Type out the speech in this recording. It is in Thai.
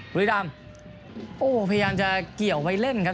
บุรีรามพยายามจะเกี่ยวไปเล่นครับ